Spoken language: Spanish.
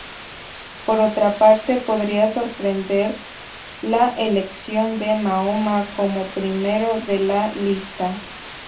Por otra parte, podría sorprender la elección de Mahoma como primero de la lista.